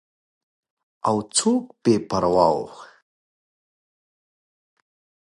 او څوک بې پروا وو.